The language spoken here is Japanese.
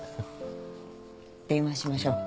電話しましょう。